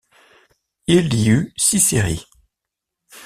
Il y eut six séries.